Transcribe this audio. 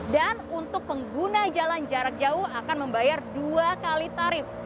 dan untuk pengguna jalan jarak jauh akan membayar dua kali tarif